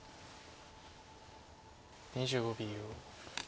２５秒。